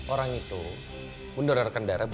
orang itu mendonorkan darah